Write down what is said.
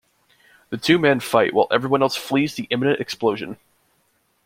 The two men fight while everyone else flees the imminent explosion.